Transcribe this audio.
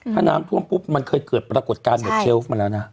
ถ้าน้ำท่วมปุ๊บมันเคยเกิดปรากฏการณ์เหมือนเชลฟมาแล้วนะ